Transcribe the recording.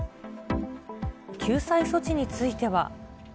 救済措置については。